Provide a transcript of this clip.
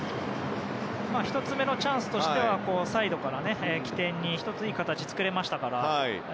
１つ目のチャンスとしてはサイドから起点にして１ついい形を作れたので。